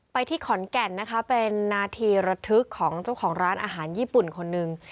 ที่ขอนแก่นนะคะเป็นนาทีระทึกของเจ้าของร้านอาหารญี่ปุ่นคนหนึ่ง